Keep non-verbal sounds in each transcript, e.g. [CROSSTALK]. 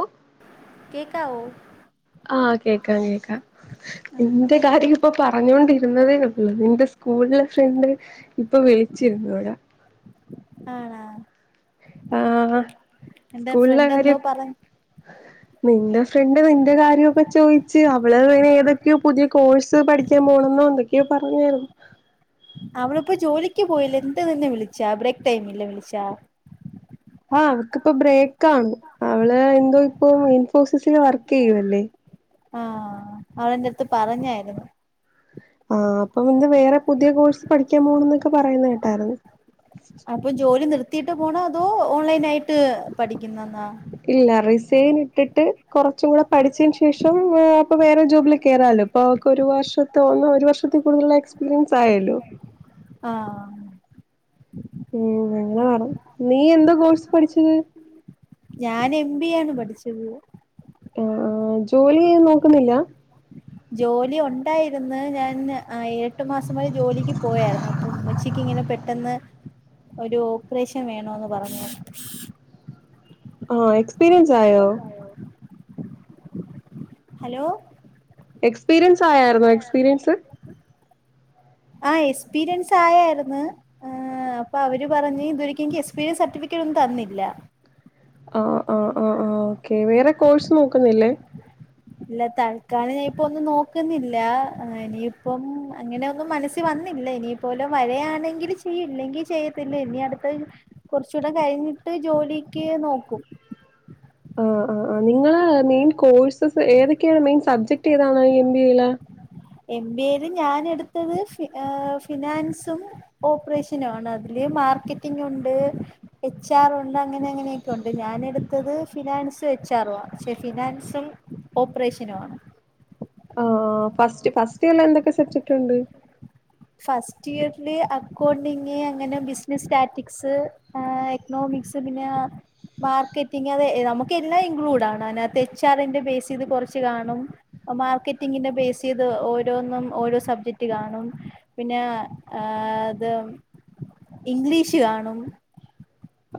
ഓ കേക്കാവോ? ആഹ് കേക്കാം കേക്കാം. നിന്റെ കാര്യ ഇപ്പൊ പറഞ്ഞൊണ്ടിരുന്നതേ ഉള്ളു നിന്റെ സ്കൂളിലെ ഫ്രണ്ട്. ഇപ്പൊ വിളിച്ചിരുന്നോയ. ആണോ. ആഹ് എന്റെ സ്കൂളിലെ ഫ്രണ്ട് എന്തോ കാര്യം. പറഞ്ഞ് നിന്റെ ഫ്രണ്ട് നിന്റെ കാര്യൊക്കെ ചോയിച്ച് അവള് വേണെ ഏതൊക്കെയോ പുതിയ കോഴ്സ് പഠിക്കാൻ പോണെന്നോ എന്തൊ ന്തൊക്കെയോ പറഞ്ഞാരുന്നു. അവളിപ്പോ ജോലിക്ക് പോയില്ലെ, എന്ത് നിന്നെ വിളിച്ചാ ബ്രേക്ക് ടൈമില് വിളിച്ചാ. ആഹ് അവക്കിപ്പ ബ്രേക്ക് ആണ് അവള് എന്തോ ഇപ്പ ഇൻഫോസിസിൽ വർക്ക് ചെയ്യുവല്ലേ. ആഹ് അവളന്റെടുത്ത് പറഞ്ഞായിരുന്നു. ആഹ് അപ്പം എന്തോ വേറെ പുതിയ കോഴ്സ് പഠിക്കാൻ പോണം ന്നൊക്കെ പറയുന്ന കേട്ടായിരുന്നു. അപ്പൊ ജോലി നിർത്തിയിട്ട് പോണൊ അതോ ഓൺലൈൻ ആയിട്ട് പഠിക്കുന്നെന്നാ. ഇല്ല റിസൈൻ ഇട്ടിട്ട് കുറച്ചും കൂടെ പഠിച്ചതിന് ശേഷം അപ്പൊ വേറെ ജോബില് കേറാലോ. അപ്പൊ അവൾക്ക് ഒരു വർഷത്ത ഒന്ന ഒരു വർഷത്തിൽ കൂടുതുള്ള എക്സ്പീരിയൻസ് ആയല്ലോ. ആഹ്. ഉം അങ്ങനെ വേണം നീ എന്തോ കോഴ്സ് പഠിച്ചത്. ഞാൻ എം ബി എ ആണ് പഠിച്ചത്. ആഹ് ആഹ് ജോലീ നോക്കുന്നില്ല? ജോലി ഉണ്ടായിരിന്ന് ഞാൻ ആ എട്ട് മാസം വരെ ജോലിക്ക് പോയായ്രുന്നു അപ്പൊ ഉമ്മച്ചിക്ക് ഇങ്ങനെ പെട്ടെന്ന് ഒരു ഓപ്പറേഷൻ വേണോന്ന് പറഞ്ഞു ആഹ് എക്സ്പീരിയൻസ് ആയോ? ഹലോ. എക്സ്പീരിയൻസ് ആയരുന്നോ എക്സ്പീരിയൻസ്? [INAUDIBLE] ആഹ് എക്സ്പീരിയൻസ് ആയായിര്ന്നു ഏഹ്. ആഹ് അപ്പ അവര് പറഞ്ഞ് ഇത് വരെക്കും എനിക് എസ്പീരിയൻസ് സർട്ടിഫിക്കറ്റ് ഒന്നും തന്നില്ല. ആഹ് ആഹ് ആഹ് ആ ഓക്കേ വേറെ കോഴ്സ് നോക്കുന്നില്ലേ? ഇല്ല തൽക്കാലം ഞാൻ ഇപ്പം ഒന്നും നോക്കുന്നില്ല ഇനിയിപ്പം അങ്ങനെ ഒന്നും മനസ്സ് വന്നില്ല ഇനി പ്പവല്ലും വരയാണെങ്കിൽ ചെയ്യും ഇല്ലങ്കിൽ ചെയ്യത്തില്ല ഇനി അടുത്ത കുറച്ചുകൂടെ കഴിഞ്ഞിട്ട് ജോലിക്ക് നോക്കും. ആഹ് ആഹ് ആ നിങ്ങള് മെയിൻ കോഴ്സസ് ഏതൊക്കെയാണ് മെയിൻ സബ്ജക്ട് ഏതാണ് ഈ എം ബി എയില്? എം ബി എയിയില് ഞാൻ എടുത്തത് ഫ ഫിനാൻസും ഓപ്പറേഷനുവാണ് അതില് മാർക്കറ്റിംഗൂണ്ട് എച്ച് ആർ ഉണ്ട് അങ്ങനെ അങ്ങനെയൊക്കെ ഉണ്ട് ഞാന് എടുത്തത് ഫിനാൻസും എച്ച് ആറും പക്ഷെ ഫിനാൻസിൽ ഓപ്പറേഷനു ആണ്. ആഹ് ഫസ്റ്റ് ഫസ്റ്റ് ഇയർല എന്തൊക്കെ സബ്ജക്ട് ഉണ്ട്? ഫസ്റ്റ് ഇയറില് അക്കൗണ്ടിങ് അങ്ങനെ ബിസിനസ് സ്റ്റാറ്റിക്സ് ആ എക്നോമിക്സ് പിന്നാ മാർക്കറ്റിംഗ് അത് നമുക്ക് എല്ലാം ഇൻക്ലൂഡ് ആണ് അയ്നകത്ത് എച്ച് ആറിന്റെ ബേസെയ്ത് കാെറച്ച് കാണും മാർക്കറ്റിങ്ങിന്റെ ബേസ്യ്ത് ഓരോന്നും ഓരോ സബ്ജക്ട് കാണും പിന്നെ ഏ ത് ഇംഗ്ലീഷ് കാണും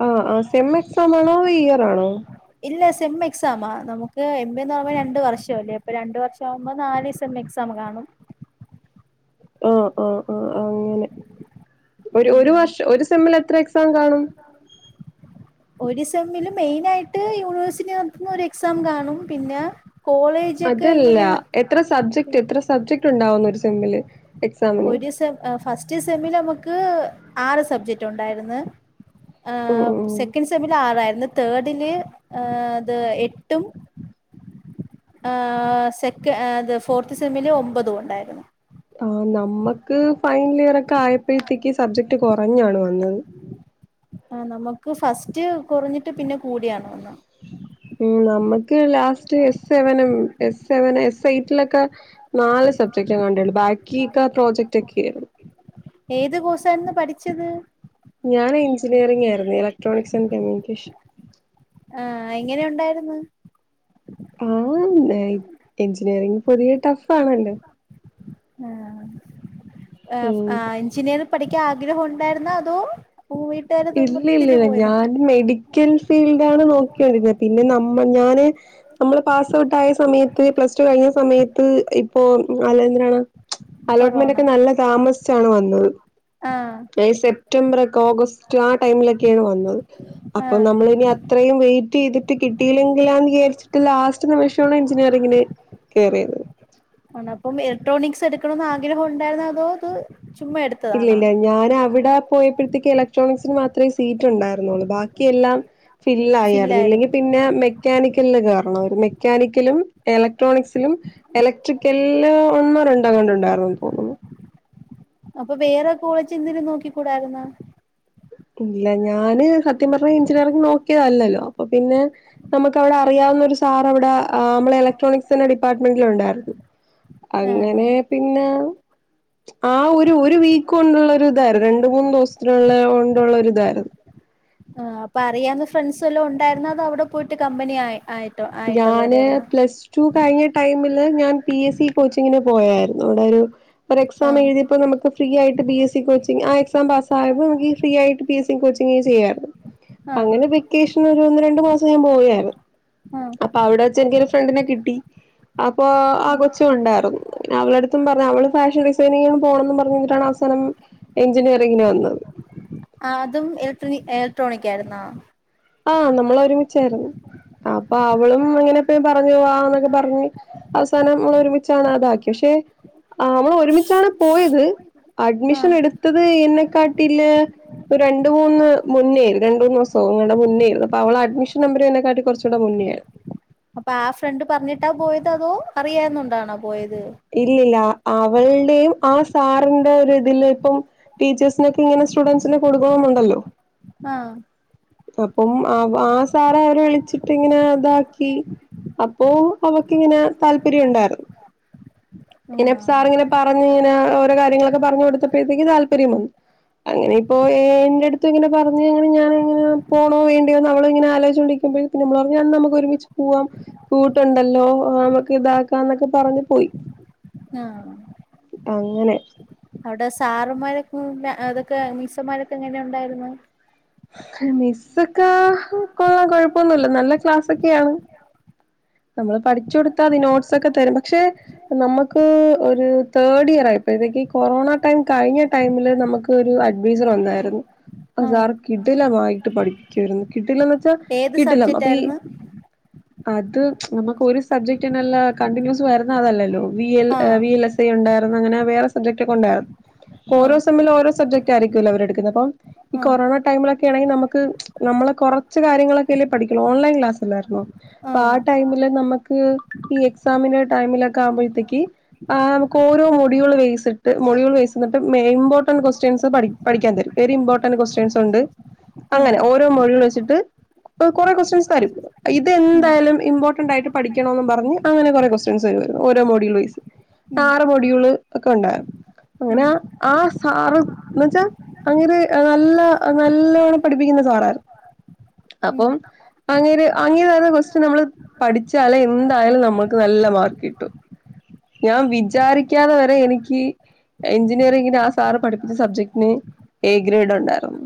ആഹ് ആഹ് സെമ്മെക്സാമാണോ തോ ഇയറാണോ ഇല്ല സെമ്മ്എക്സാമാ നമുക്ക് എം ബിന്നാവുമ്പോ രണ്ട് വർഷം അല്ലേ അപ്പൊ രണ്ട് വർഷം വുമ്പോ നാല് സെമ്മഎക്സാം കാണും ആഹ് ആഹ് ആഹ് അങ്ങനെ ഒരു ഒരു ഉം വർഷം ഒരു സെമ്മിൽ എത്ര എക്സ് സാം കാണും ഒരു സെമ്മില് മെയിനായിട്ട് യൂണിവേഴ്സിറ്റി നടത്തുന്ന ഒരു എക്സാം കാണും പിന്നെ കോളേ അതല്ല എത്ര സബ്ജക്ട് എത്ര സബ്ജക്ട് ഉണ്ടാവും ഒരു സെമ്മില് എക്സാമിന് ഒരു സെം ഏ് ഫസ്റ്റ് സെമ്മില് നമുക്ക് ആറ് സബ്ജെക്ട് ഉണ്ടായിരിന്ന് ഉം ഏ് ഉം സെക്കൻ സ്- സെമ്മില് ആറായിര്ന്ന് തേർഡില്ഏ് ത് എട്ടും ഏ് സെക്ക് ഏ ത് ഫോർത്ത് സെമ്മില് ഒമ്പതും ഒണ്ടായിര്ന്ന് ആഹ് നമ്മക്ക് ഫൈൻലിയർ ഒക്കെ ആയപ്പഴത്തേക്ക് സബ്ജക്ട് കാെറഞ്ഞാണ് വന്നത് ആഹ് നമക്ക് ഫസ്റ്റ് കാെറഞ്ഞിട്ടും പിന്നെ കൂടിയാണ് വന്ന് ഉം നമ്മക്ക് ലാസ്റ്റ് എസ് സെവനും എ സെവനും എസ് എയ്റ്റിലൊക്കെ നാല് സബ്ജക്റ്റെകാണ്ടൊള്ളൂ ബാക്കീസക്ക പ്രോജക്റ്റ് ഒക്കെയായിര്ന്നു ഏത് കോഴ്സായിരുന്നു പഠിച്ചത് ഞാൻ എഞ്ചിനീയറിംഗ് ആയിര്ന്ന് ഇലക്ട്രോണിക്സ്ന്റെ ഇങ്കിഷ് ആഹ് എങ്ങനെ ഉണ്ടായിര്ന്ന് ആഹ് എഞ്ചിനീയറിംങ് പൊതുവെ ടഫ് ആണല്ലോ ആഹ് ഏ് ഫ് ഉം ആഹ് എൻജിനീയറ് പഠിക്കാൻ ആഗ്രഹം ഉണ്ടായിരുന്നോ അതോ വീട്ട്കാരെ ഇല്ല ഇല്ല നിർബന്ധത്തില് ഇല്ല പോയതാ ഞാൻ മെഡിക്കൽ ഫീൽഡ ആണ് നോക്ക്യോണ്ടിര്ന്നെ പിന്നെ നമ്മ ഞാന് നമ്മള് പാസ് ഔട്ട് ആയ സമയത്ത് പ്ലസ് ടു കഴിഞ്ഞ സമയത്ത് ഇപ്പോ അല്ല എന്തിനാണ് അലോട്ട്മെന്റ് കൊറോണ ഒക്കെ നല്ല താമസ്ച്ചാണ് വന്നത് ആഹ് മെയ് സെപ്റ്റംബർ ഒക്കെ ഓഗസ്റ്റ് ആ ടൈമിലൊക്കെയാണ് വന്നത് അപ്പൊ ആഹ് നമ്മള് ഇനി അ ത്രയും വെയിറ്റെയ്ത്ട്ട് കിട്ടിയില്ലെങ്കിലാന്ന് വിയാര്ച്ച്ട്ട് ലാസ്റ്റ്- സ്റ്റ് നിമിഷാണ് എചിനീയറിങ്ങിന് കേറിയത് ആണ് അപ്പം ഇലക്ട്രോണിക്സ് എടുക്കണൊന്ന് ആഗ്രഹം ഉണ്ടായിരുന്നേ അതോ അത് ചുമ്മാ എട് ഇല്ല ഇല്ല ഞാൻ അവിടെ പോയി ഇപ്പഴ്ത്തേക്ക് എലക്ട്രോണിക്സിന് മാത്രേ സീറ്റ് ഉണ്ടായിര്ന്നൊള്ളൂ ബാക്കി എല്ലാം ഫില്ലായായ്ര്ന്ന് ഫില്ലായിരുന്നു ഇല്ലെങ്കിപിന്നെ മെക്ക് മെക്കാനിക്കലിന് കേറണാേയ്ര്ന്ന് മെക്കാനിക്കലും എലക്ട്രോണിക്സിലും എലക്ട്രിക്കല്ല് ഒന്നോ രണ്ടോ ങ്ങാണ്ട് ഉണ്ടായിര്ന്നന്ന് തോന്നുന്നു അപ്പ വേറെ കോളേജ് എന്ന്ലും നോക്കിക്കൂടായ്ര്ന്നോ ഇല്ല ഞാന് സത്യം പർഞാ എഞ്ചിനീയറിംഗ് നോക്കിയതല്ലല്ലോ അപ്പ പിന്നെ നമക്ക് അവ്ടെ അറിയാവുന്ന ഒരു സാറവ്ടെ ആഹ് നമ്മള എലക്ട്രോണിക്സിന്റെ ഡിപ്പാർട്ട്മെന്റില് ഉണ്ടായിര്ന്നു ആഹ് അങ്ങനെ പിന്നെ ആഹ് ഒരു ഒരു വീക്ക് കൊണ്ടുള്ള ഒരു ഇതായിര് രണ്ട്മൂന്ന് ദൂസത്തിനുള്ള കൊണ്ടുള്ള ഒരുതായിരുന്നു ആഹ് അപ്പ അറിയാവുന്ന ഫ്രണ്ട്സ് ല്ലോം ഒണ്ടായിര്ന്നോ അതോ അവ്ടെ പോയിട്ട് കമ്പനി ആയി ആയി ഞാന് പ്ലസ് റ്റു കഴിഞ്ഞ ടൈമില് ഞാൻ പി എസ് സി കോച്ചിങ്ങിന് പോയായിരുന്നു അവിടെ ഒരു ഒരക്സാമ് ആഹ് എഴ്ത്യപ്പോ നമക്ക് ഫ്രീ യായിട്ട് പി എസ്സി കോച്ചിങ് ആഹ് എക്സാം പാസ്സായമ്പോങ്കി ഫ്രീ യായിട്ട് പി എസ്സിങ് കോച്ചിങ് ചെയ്യാര്ന്നു ആഹ് അങ്ങനെ ബെക്കേഷന് ഒന്ന് രണ്ട് മാസം ഞാപോയാര്ന്ന് ആഹ് അപ്പൊ അവ്ടെച്ച് എനിക്കൊരു ഫ്രണ്ടിനെ കിട്ടി അപ്പൊ ആഹ് കൊച്ചുണ്ടാര്ന്നു അവള ട്ത്തും പർഞു അവള് ഫാഷൻ ഡിസൈനിങ്ങന്നു പോണംന്നും പർഞ്ഞു ന്നിട്ടാണാസ് തനം എഞ്ചിനീയറിങ്ന് വന്നത് ആഹ് അതും എലക്ട്രി എലക്ട്രോണിക്കായ്‌ര്ന്നോ ആഹ് നമ്മള ഒരുമിച്ചാര്ന്ന് അപ്പൊ അവളും ഇങ്ങനെപീ പറഞ്ഞു വാന്നൊക്കെ പറഞ്ഞ് അവസാനം ഒരുമിച്ചാണതാക്കി പക്ഷെ ആഹ് മ്മള ഒരുമിച്ചാണ് പോയത് അഡ്മിഷൻ ആഹ് എടുത്തത് എന്നെ കാട്ടില് ഒരണ്ട് മൂന്ന് മുന്നേര് രണ്ടുന്നൂസോ അങ്ങ ന്നമുന്നേര്ന്നു പവള അഡ്മിഷൻ നമ്പർ ന്നെക്കാട്ടികൊർച്ചുകുടെ മുന്നേ അപ്പാ ആഹ് ഫ്രണ്ട് പർഞ്ഞിട്ടാ പോയത് അതോ അറിയാര്ന്നോണ്ടാണോ പോയത് ഇല്ലില്ല അവൾടെയും ആഹ് സാറിന്റെ ഒര്തില് പ്പം ടീച്ചേഴ്സ്നൊക്കെ ഇങ്ങനെ സ്റ്റുഡൻസിനെ കൊടു കൊണന്നുണ്ടല്ലോ ആഹ് അപ്പം ആവ് ആഹ് സാറവരെ വിളിച്ചിട്ടി ങ്ങനെ താക്കി അപ്പോ അവക്കിങ്ങനെ താല്പര്യ ഉണ്ടാര്ന്നു ആഹ് ഇന്നെപ്സാറ്ങ്ങെനെ പറഞ്ഞ്ങ്ങനെ ഓരോ കാര്യങ്ങളൊക്കെ പർഞ്ഞൊ ട്ത്തപ്പേത്ത്ക്ക് താല്പര്യം വന്നു അങ്ങനെ ഇപ്പോ ഏ എന്റെട്ത്ത് ഇങ്ങനെ പറഞ്ഞ് അങ്ങനെ ഞാനങ്ങനെ പോണോ വേണ്ട്യയോന്നവളിങ്ങനെ ആലോയ്ച്ങ്ങോരിക്കുബെഴ് പിന്നമ്മളർഞ്ഞു എന്നമുക്കൊരുമിച്ച് പുവാം കൂട്ടുണ്ടല്ലോ നമക്ക് ഇതാക്കാം ന്നൊക്കെ പറഞ്പോയി ആഹ് അങ്ങനെ ഇപവ്ടെ സാറമ്മാരൊക്കൂടെ അതൊക്കെ മീസ്സ്മ്മാരൊക്കെങ്ങനെ ഉണ്ടായിര്ന്നു മിസ്സൊക്കെ കൊള്ളം കൊഴപ്പൊന്നുല്ല നല്ല ക്ലാസൊക്കെയാണ് നമ്മള് പഠ്ച്ചോട്ത്താതിനോട്സ് ഒക്കെ തരും പക്ഷെ നമക്ക് ഒര് തേഡിയറായിട്ട് പെകി കൊറോണ ടൈം കഴിഞ്ഞ ടൈമില് നമക്ക് ഒരു അഡ്വീസർ വന്നായിര്ന്നു ആഹ് സാർ കിടിലമായിട്ട് പഠിപ്പിക്ക്യാരുന്നു കിടില ഏത് ച്ചകിടിലം സബ്ജക്റ്റ് അപ്പൊ ഈ ആയിരുന്നു അത് നമക്ക് ഒരു സബ്ജക്റ്റിനല്ലാ കണ്ടിന്യൂസ് വരുന്ന അതല്ലല്ലോ വി എൽ എ ആഹ് വിഎൽ എസ് ഐ ഉണ്ടായിര്ന്നു അങ്ങനെ വേറെ സബ്ജക്റ്റ് ഒക്കെ ഉണ്ടാ ഓരോ ആഹ് സമില് ഓരോ സബ്ജക് റ്റായിരിക്കൊല്ലോ അവര്ട്ക്ക്ന്നപ്പം ഇ ആഹ് കൊറോണ ടൈമിലൊക്കെണങ്കി നമക്ക് നമ്മളെ കൊറച്ച് കാര്യങ്ങളൊക്കെല്ലേ പഠിക്കൊള്ളു ഓൺലൈൻ ക്ലാസല്ലാര്ന്നോ ആഹ് പ്പാ ടൈമില് നമക്ക് ഈ എക്സാമിനെ ടൈമിലൊക്കെ ആവുമ്പോഴ്ത്തേക്ക് ആഹ് മ്ക്ക്ഓരോ വൊടികള് വൈസ്സിട്ട് മൊഴികള് വേസ്ന്നിട്ട് മേ ഇമ്പോർട്ടൻ കൊസ്റ്റ്യൻസ് പഠി പഠിക്യാൻ തരും വെരി ഇമ്പോട്ടന്റ് കൊസ്റ്റ്യൻസൊണ്ട് ഉം അങ്ങനെ ഓരോ മൊഴിള്ച്ചിട്ട് കൊറെ കൊസ്റ്റ്യൻസ് തരും ഉം ഇതെന്തായാലും ഇമ്പോർന്റായിട്ട് പഠിക്യണോന്നും പറഞ്ഞ് അങ്ങനെ കൊറേ കൊസ്റ്റ്യൻസ് തരോര്ന്നു ഓരോ മോഡി ളൊയ്സ് ഉം ആറ് മൊട്യൂള് ഒക്കെണ്ടാ അങ്ങനെ ഉം ആഹ് സാറ് ന്ന്യൊച്ചാ അങ്ങനെ എ നല്ല നല്ലവണ്ണം പഠിപ്പിക്കുന്ന സാറാര് ഉം അങ്ങേര് അങ്ങേര് തര്ന്ന കൊസ്റ്റ്യൻ നമ്മള് പഠിച്ചാലേ എന്തായാലും നമ്മൾക്ക് നല്ല മാർക്കിട്ടും ഞാൻ വിചാരിക്യാതെ വരെ എനിക്ക് എഞ്ചിനീയറിങിന് ആഹ് സാറ് പഠിപ്പിച്ച സബ്ജക്റ്റ്ന് എ ഗ്രേഡൊണ്ടായിര്ന്നു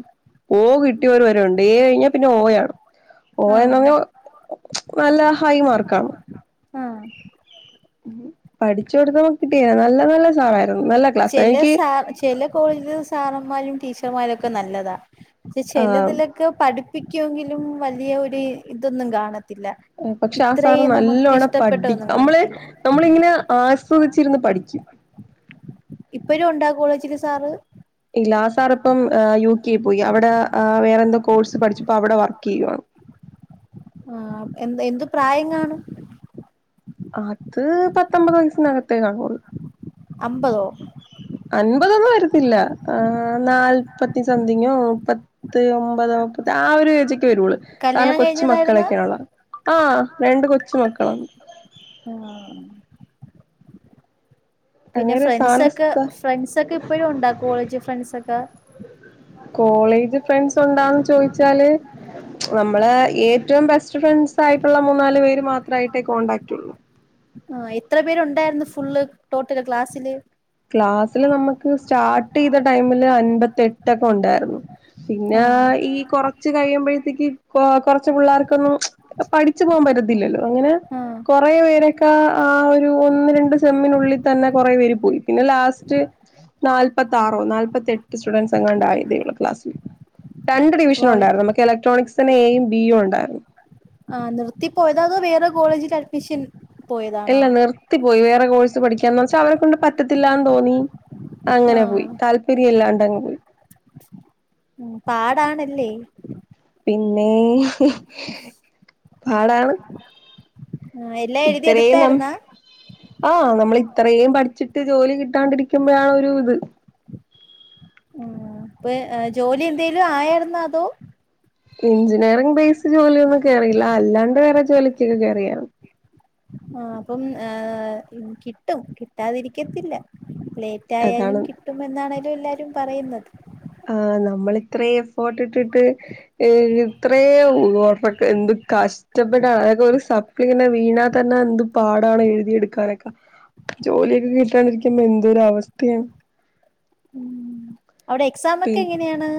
ഓ കിട്ടിയ ഒരു വരം ഉണ്ട് ഏ കഴിഞ്ഞാ പിന്നെ ഓ ആണ് ഓ എന്നു ആഹ് പറഞ്ഞാ നല്ല ഹൈ മാർക്ക ആണ് ആഹ് പഠിച്ചു കൊടുത്തപ്പോ കിട്ടിയതാ നല്ല നല്ല സഹായം ചെല സാർ ചെലെ കോളേജിൽ സാറന്മാരും ടീച്ചർമാരും ഒക്കെ നല്ലതാ പക്ഷെ ആഹ് ചിലതിലൊക്കെ പഠിപ്പിക്കു വെങ്കിലും വലിയ ഒരു ഇതൊന്നും കാണത്തില്ല പക്ഷെ ആ സാറ് ഇത്രയും നമുക്ക് നല്ലോണം ഇഷ്ടപ്പെട്ട പഠിപ്പി ഒന്നും നമ്മള് കാണത്തില്ല നമ്മളിങ്ങനെ ആസ്വദിച്ചിരുന്ന് പഠിക്കും ഇപ്പഴും ഉണ്ടാ ആ കോളേജില് സാറ് ഇല്ല ആ സാറു ഇപ്പം യു കെ പോയി അവിടെ വേറെന്തോ കോഴ്സ് പഠിച്ച ഇപ്പോ അവിടെ വർക്ക് ചെയ്യാണ് ആ എ എന്ത് പ്രായം കാണും അത് പത്ത് അമ്പത് വയസ്സിനകത്തേ കാണുവൊള്ളൂ അമ്പതോ അൻപതൊന്നും വരത്തില്ല ആ നാല്പത്തി സംതിങ്ങോ മുപ്പത്തി ത്ത് ഒമ്പത് മുപ്പത് ആ ഒരു എയ്ജ് വരുള്ളൂ കാരണം കല്യാണം കഴിഞ്ഞതായിരുന്ന കൊച്ചുമക്കളൊക്കെയാണുള്ളത് ആ രണ്ട് കൊച്ചുമക്കളാണ് ആഹ് പിന്നെ അങ്ങനെ സാന്റെ ഫ്രണ്ട്സൊക്കെ സ്ഥ ഫ്രണ്ട്സ ഒക്കെ ഇപ്പഴും ഉണ്ടാ കോളേജ് ഫ്രണ്ട് സൊക്കെ കോളേജ് ഫ്രണ്ട്സ് ഉണ്ടാന്ന് ചോദിച്ചാല് നമ്മള് ഏറ്റവും ബെസ്റ്റ് ഫ്രണ്ട്സ് ആയിട്ടുള്ള മൂന്നാല് പേര് മാത്രമായിട്ടേ കോണ്ടാക്ട് ഉള്ളൂ ആ എത്ര പേരുണ്ടായിരുന്നു ഫുള്ള് ടോട്ടല് ക്ലാസില് ക്ലാസ്സില് നമുക്ക് സ്റ്റാർട്ട് ചെയ്ത ടൈമില് അൻപത്തെട്ടൊക്കെ ഉണ്ടായിരുന്നു ആ പിന്നെ ഈ കൊറച്ച് കഴിയുമ്പോഴത്തേക്ക് കൊ കൊറച്ച് പിള്ളേർക്കൊന്നും പഠിച്ചു പോകാൻ പറ്റത്തില്ലല്ലോ അങ്ങനെ ആ കൊറെ പേരൊക്കെ ആ ഒരു ഒന്ന് രണ്ട് സെമ്മിനുള്ളിൽ തന്നെ കൊറെ പേര് പോയി പിന്നെ ലാസ്റ്റ് നാല്പ്പത്ത ആറോ നാല്പത്തി എട്ട് സ്റ്റുഡൻറ്സ് എങ്ങാണ്ട ആയതേയുള്ളൂ ക്ലാസ്സിൽ രണ്ട് ഡിവിഷന വൗ ഉണ്ടായിരുന്നു നമക്ക് ഇലക്ട്രോണിക്സിന് എയും ബിയും ഉണ്ടായിരുന്നു ആ നിർത്തിപ്പോയതോ അതോ വേറെ കോളേജിൽ അഡ്മിഷൻ ഇല്ല പോയതാണോ നിർത്തിപ്പോയി വേറെ കോഴ്സ് പഠിക്കാന്ന് വെച്ചാ അവരെ കൊണ്ട് പറ്റത്തില്ലന്ന് തോന്നി ആ അങ്ങനെ പോയി താല്പര്യം ഇല്ലാണ്ട്ങ്ങ് പോയി ഉം പാടാണല്ലേ പിന്നെ പാടാണ് ആ എല്ലാം ഇ ത്രിം നാം എഴുതിയെടുത്തായിരുന്നാ ആ നമ്മൾ ഇത്രയും പഠിച്ചിട്ട് ജോലി കിട്ടാണ്ടിരിക്കുമ്പോഴാണ് ഒരു ഇത് അപ്പൊ ജോലി എന്തേലും ആയാരുന്നോ അതോ എഞ്ചിനീയറിംഗ് ബേസ് ജോലിക്കു ഒന്നും കേറിയില്ല അല്ലാണ്ട് വേറെ ജോലിക്കൊക്കെ കയറിയാണ് ആ അപ്പം കിട്ടും കിട്ടാതിരിക്കത്തില്ല ല്ലേ ന്തായാലും അതാണ് കിട്ടുമെന്നാണല്ലോ എല്ലാവരും പറയുന്നത് തേ ആ നമ്മൾ ഇത്രയും എഫോർട്ട് ഇട്ടിട്ട് ഏ ഇത്രയും പോഫക്ക് എന്ത് കഷ് നഷ്ടപ്പെട്ട അതൊക്കെ ഒരു സപ്ലി ഇങ്ങനെ വീണാ തന്നെ എന്ത് പാടാണ് എഴുതിയെടുക്കാനൊക്കെ ജോലിയൊക്കെ കിട്ടാണ്ടിരിക്കുമ്പോ എന്തൊരു അവസ്ഥയാണ് അവിടെ എക്സാം ഒക്കെ പി എങ്ങനെയാണ്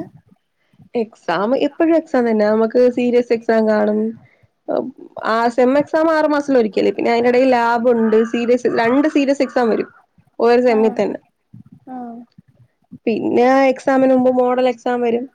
എക്സാം എപ്പോഴും എക്സാം തന്നെ നമുക്ക് സീരിയസ് എക്സാം കാണും ആ സെം എക്സാം ആറ് മാസത്തിലൊരിക്കല് പിന്നെ അയിൻ്റെ ഇടയിൽ ലാബുണ്ട് സീരിയസ് രണ്ട് സീരിയസ് എക്സാം വരും ഒരു ആ യമ്മി തെന്ന് ആ പിന്നെ ആ എക്സാമിന് മുമ്പ് മോഡൽ എക്സാം വരും